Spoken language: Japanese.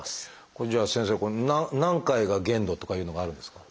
これじゃあ先生何回が限度とかいうのがあるんですか？